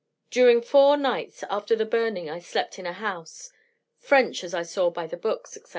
During four nights after the burning I slept in a house French as I saw by the books, &c.